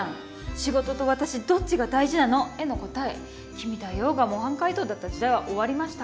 仕事と私どっちが大事なの？への答え君だよが模範解答だった時代は終わりました